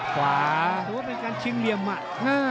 หัวเป็นการชิงเหลี่ยมอ่ะ